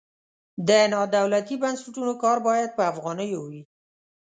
د نادولتي بنسټونو کار باید په افغانیو وي.